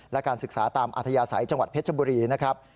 และการศึกษาตามอัธยาศัยจังหวัดเพชรบุรีนะครับ